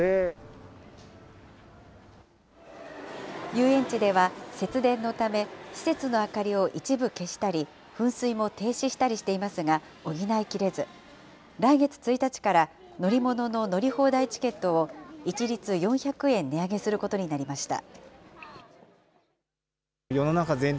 遊園地では節電のため、施設の明かりを一部消したり、噴水も停止したりしていますが補いきれず、来月１日から乗り物の乗り放題チケットを一律４００円値上げすることになりました。